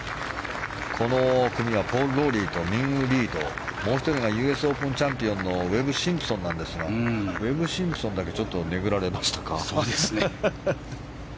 この組はポール・ローリーとミンウー・リーともう１人がＵＳオープンチャンピオンのウェブ・シンプソンなんですがウェブ・シンプソンだけちょっとネグられましたか。